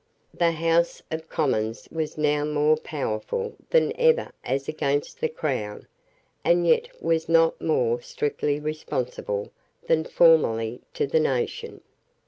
The House of Commons was now more powerful than ever as against the Crown, and yet was not more strictly responsible than formerly to the nation.